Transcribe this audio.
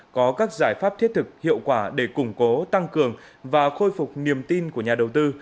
có các giải pháp thiết thực hiệu quả để củng cố tăng cường và khôi phục niềm tin của nhà đầu tư